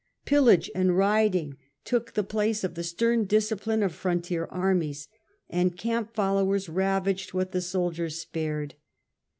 Pillage and rioting took the place of the stem ^ discipline of frontier armies, and camp fol intoRonveof lowers ravaged what the soldiers spared.